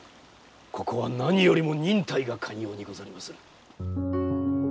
ここは何よりも忍耐が肝要にござりまする。